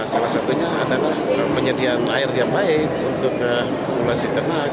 salah satunya adalah penyediaan air yang baik untuk populasi ternak